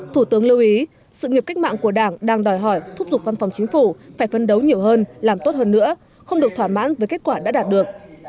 thủ tướng lưu ý sự nghiệp cách mạng của đảng đang đòi hỏi thúc giục văn phòng chính phủ phải phân đấu nhiều hơn làm tốt hơn nữa không được thỏa mãn với kết quả đã đạt được